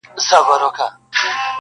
دا ستا و خولې ته خو هچيش غزل چابکه راځي_